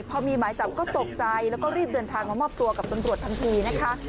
พอมีหมายจับก็ตกใจแล้วก็รีบเดินทางมามอบตัวกับตำรวจทันทีนะคะ